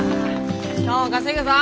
今日も稼ぐぞ！